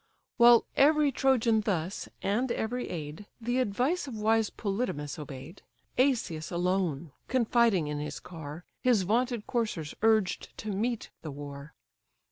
While every Trojan thus, and every aid, The advice of wise Polydamas obey'd, Asius alone, confiding in his car, His vaunted coursers urged to meet the war.